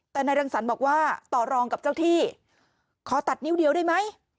แต่นายรังสรรค์บอกว่าต่อรองกับเจ้าที่ขอตัดนิ้วเดียวได้ไหม